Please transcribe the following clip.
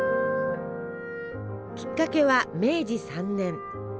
きっかけは明治３年。